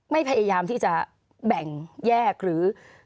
พยายามที่จะแบ่งแยกหรือ